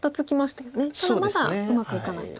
ただまだうまくいかないと。